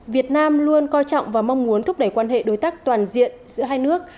việt nam luôn coi trọng và mong muốn thúc đẩy quan hệ đối tác toàn diện giữa hai nước